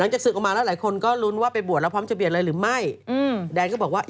ทางทีมข่าวแนเราหรือว่าวู๋บแฟน